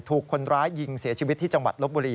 ถูกคนร้ายยิงเสียชีวิตที่จังหวัดลบบุรี